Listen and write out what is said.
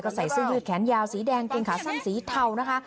ใส่เสื้อยืดแขนยาวสีแดงเกงขาสั้นสีเทานะคะ